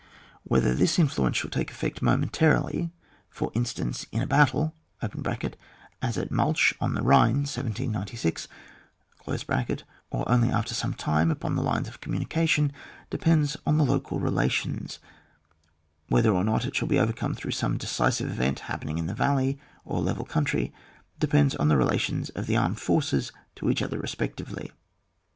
127 Whether this influence shall take effect momentarily, for instance in a battle (as at Maltsch on the Bhine, 1796) or only after some time upon the lines of com mimication, depends on the local rela tions;— whether or not it shall be over come through some decisive event hap pening in 9ie valley or level country, depends on the relations of the armed forces to each other respectively.